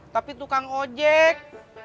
tapi tukang ojek